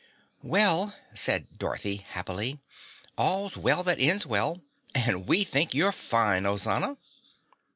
"Well," said Dorothy happily, "all's well that ends well, an' we think you're fine, Ozana."